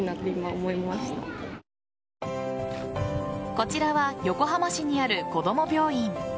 こちらは横浜市にあるこども病院。